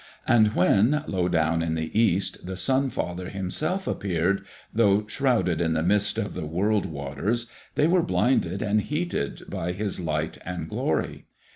And when, low down in the east, the Sun father himself appeared, though shrouded in the mist of the world waters, they were blinded and heated by his light and glory.